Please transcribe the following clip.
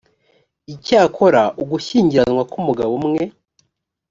icyakora ugushyingiranwa k’umugabo umwe